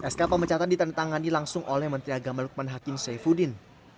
sk pemecatan ditandatangani langsung oleh menteri agama lukman hakim saifuddin